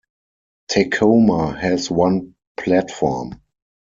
Tecoma has one platform.